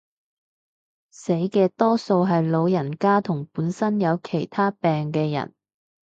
死嘅多數係老人家同本身有其他病嘅人